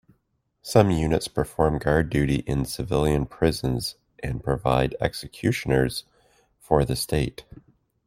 Some units perform guard duty in civilian prisons and provide executioners for the state.